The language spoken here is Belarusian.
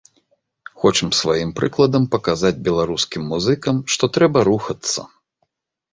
Хочам сваім прыкладам паказаць беларускім музыкам, што трэба рухацца!